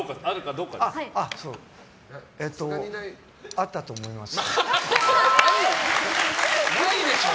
あったと思います。